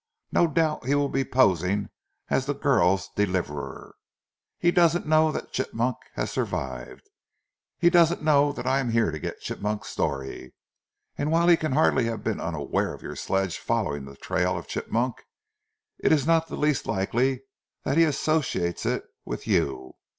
No doubt he will be posing as the girl's deliverer. He doesn't know that Chigmok has survived. He doesn't know that I am here to get Chigmok's story; and whilst he can hardly have been unaware of your sledge following the trail of Chigmok, it is not the least likely that he associates it with you.